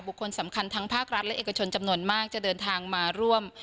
คนสำคัญทั้งภาครัฐและเอกชนจำนวนมากจะเดินทางมาร่วม